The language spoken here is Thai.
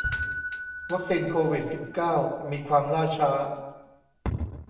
วัคซีนโควิดสิบเก้ามีความล่าช้า